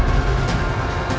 aku mau makan